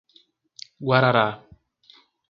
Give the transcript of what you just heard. Guarará